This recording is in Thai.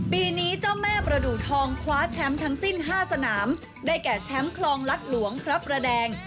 ปีนี้เจ้าแม่ประดูกทองคว้าแชมป์ทั้งสิ้น๕สนามได้แก่แชมป์คลองรัฐหลวงพระประแดง